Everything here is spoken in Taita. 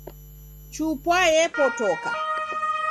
Chupwa yepotoka